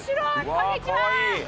こんにちは！